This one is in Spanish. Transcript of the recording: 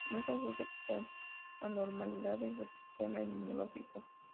No se asocia con anormalidades del sistema inmunológico.